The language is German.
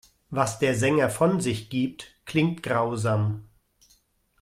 Was der Sänger von sich gibt, klingt grausam.